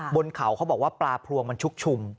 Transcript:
บนเขาเขาบอกว่าปลาพลวงมันชุกชุม